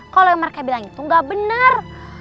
kalau yang mereka bilang itu gak bener